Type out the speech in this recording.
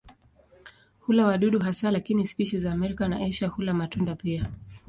Hula wadudu hasa lakini spishi za Amerika na Asia hula matunda pia.